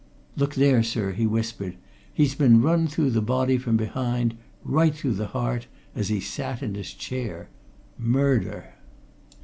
"Look there, sir," he whispered. "He's been run through the body from behind right through the heart! as he sat in his chair. Murder!"